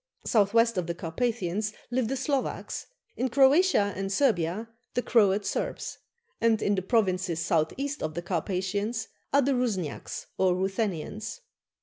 South west of the Carpathians live the Slovaks; in Croatia and Servia the Croat Serbs; and in the provinces south east of the Carpathians are the Rusniaks or Ruthenians.